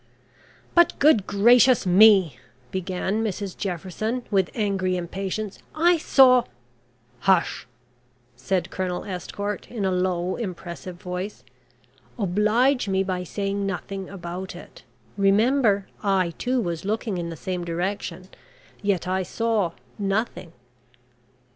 "But, good gracious me," began Mrs Jefferson, with angry impatience. "I saw " "Hush," said Colonel Estcourt in a low, impressive voice. "Oblige me by saying nothing about it. Remember, I too was looking in the same direction, yet I saw nothing."